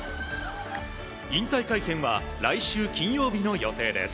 引退会見は来週金曜日の予定です。